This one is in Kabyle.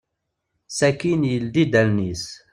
Sakken yeldi-d allen-is.